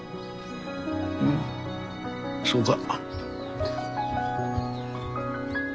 うんそうが。